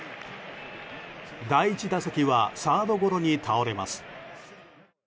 第１打席はサードゴロに倒れます。